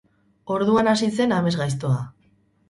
Orduan hasi zen amesgaiztoa.